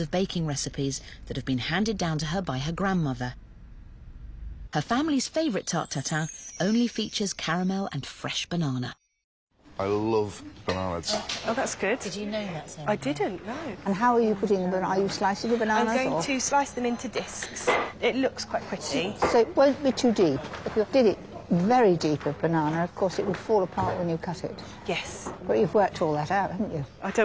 はい。